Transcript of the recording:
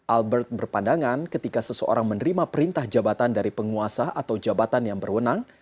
albert berpandangan ketika seseorang menerima perintah jabatan dari penguasa atau jabatan yang berwenang